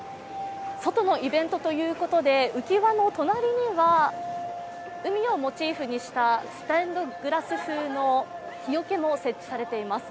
外のイベントということで浮き輪の隣には海をモチーフにしたステンドグラス風の日よけも設置されています。